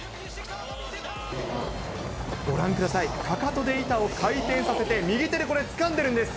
ご覧ください、かかとで板を回転させて、右手でこれ、つかんでるんです。